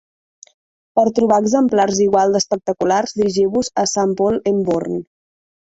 Per trobar exemplars igual d'espectaculars dirigiu-vos a Saint-Paul-en-Born.